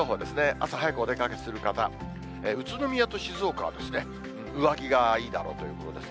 朝早くお出かけするなら宇都宮と静岡は上着がいいだろうということです。